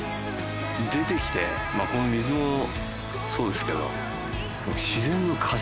出てきてこの水そうですけど。